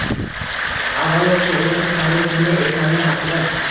Avvalo «to‘g‘ri tasarruf» nima ekani haqida.